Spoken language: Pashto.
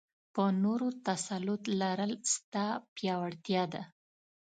په نورو تسلط لرل؛ ستا پياوړتيا ده.